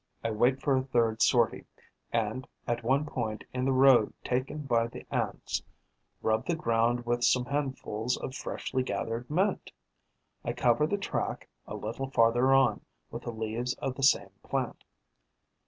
I wait for a third sortie and, at one point in the road taken by the Ants, rub the ground with some handfuls of freshly gathered mint. I cover the track, a little farther on, with the leaves of the same plant.